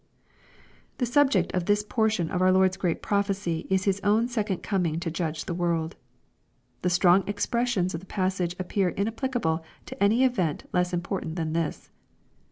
The subject of this portion of our Lord's great prophecy is His own second coming to judge the world. The strong expressions of the passage appear inapplicable to any event less important than this.